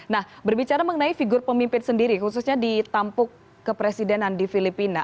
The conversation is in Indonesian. nah berbicara mengenai figur pemimpin sendiri khususnya di tampuk kepresidenan di filipina